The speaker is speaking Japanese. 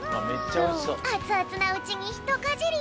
あつあつなうちにひとかじり。